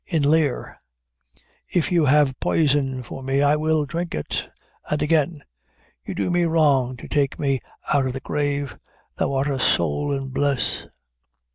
In Lear, "If you have poison for me, I will drink it." And again, "You do me wrong to take me out o' the grave. Thou art a soul in bliss."